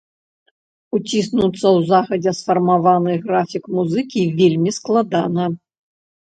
Уціснуцца ў загадзя сфармаваны графік музыкі вельмі складана!